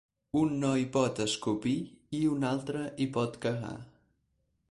Un no hi pot escopir i un altre hi pot cagar.